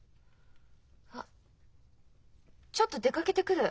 あっちょっと出かけてくる。